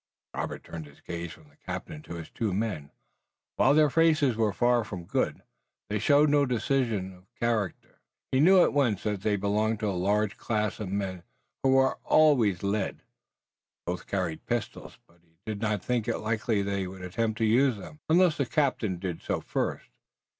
Robert turned his gaze from the captain to his two men. While their faces were far from good they showed no decision of character. He knew at once that they belonged to the large class of men who are always led. Both carried pistols, but he did not think it likely that they would attempt to use them, unless the captain did so first.